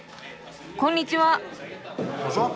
こんにちは。